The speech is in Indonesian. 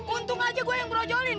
untung aja gue yang brojolin